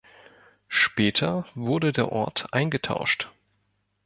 Später wurde der Ort eingetauscht.